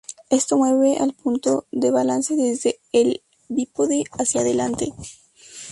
Esto mueve el punto de balance desde el bípode hacia adelante.